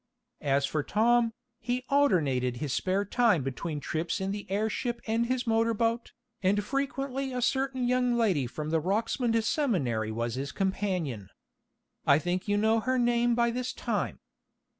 As for Tom, he alternated his spare time between trips in the airship and his motor boat, and frequently a certain young lady from the Rocksmond Seminary was his companion. I think you know her name by this time.